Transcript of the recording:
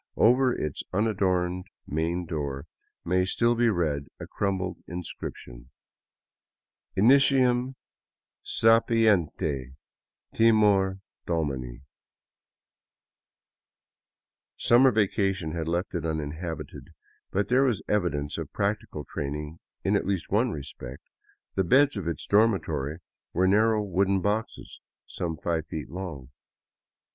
Over its unadorned main door may still be read a crumbled inscription :" Initium Sapientae Timor Domini " Summer vacation had left it uninhabited, but there was evidence of practical training in at least one respect, — the beds of its dormitory were narrow wooden boxes some five feet long.